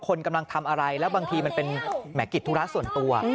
คนกำลังทำอะไรแล้วบางทีมันเป็นแหมกิจธุระส่วนตัว